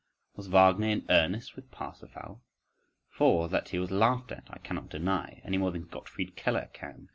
—was Wagner in earnest with Parsifal? For, that he was laughed at, I cannot deny, any more than Gottfried Keller can.